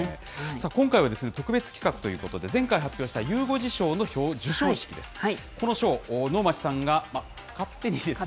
今回は特別企画ということで、前回発表したゆう５時賞の授賞式ですね。